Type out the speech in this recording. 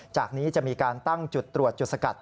จากนี้จะมีการตั้งจุดตรวจจุดสกัด